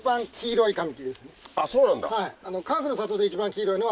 あっそうなんだ。